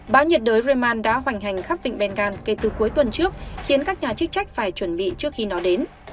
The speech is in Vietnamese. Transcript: báo nhiệt đới raman đã hoành hành khắp vịnh bengal kể từ cuối tuần trước khiến các nhà chức trách phải chuẩn bị trước khi nó đến